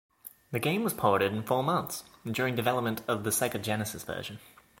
The game was ported in four months, during development of the Sega Genesis version.